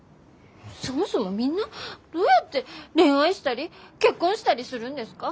そもそもみんなどうやって恋愛したり結婚したりするんですか？